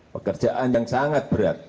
pekerjaan yang sangat berat